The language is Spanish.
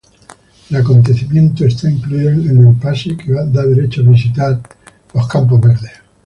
El acontecimiento está incluido en el pase que da derecho a visitar Greenfield.